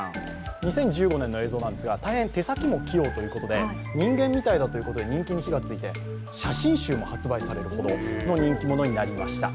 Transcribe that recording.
２０１５年の映像なんですが、大変手先が器用ということで人間みたいだということで人気に火がついて写真集も発売されるほどの人気者になりました。